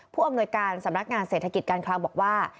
ผู้อำนวยการสำนักงานเศรษฐกิจการคลังบอกว่า